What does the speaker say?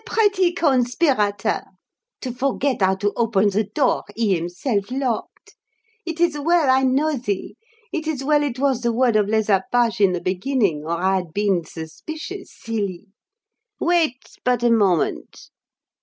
"A pretty conspirator to forget how to open the door he himself locked! It is well I know thee it is well it was the word of les Apaches in the beginning, or I had been suspicious, silly! Wait but a moment!"